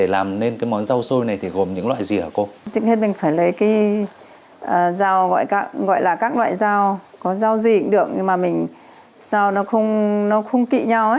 lẫn vào thì xôi nó thơm nó ngọt không mất nước